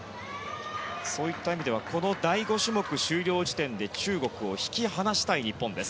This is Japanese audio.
そういった意味ではこの第５種目終了時点で中国を引き離したい日本です。